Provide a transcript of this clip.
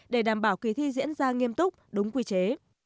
để đảm bảo kỳ thi diễn ra nghiêm túc đúng quy chế